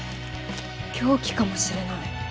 凶器かもしれない。